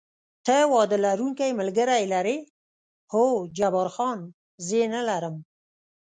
ته واده لرونکی ملګری لرې؟ هو، جبار خان: زه یې نه لرم.